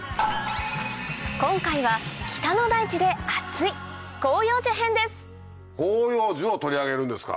今回は北の大地で熱い広葉樹編です広葉樹を取り上げるんですか？